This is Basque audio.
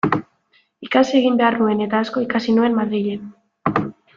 Ikasi egin behar nuen, eta asko ikasi nuen Madrilen.